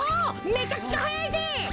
めちゃくちゃはやいぜ。